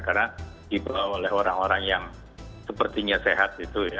karena dibawa oleh orang orang yang sepertinya sehat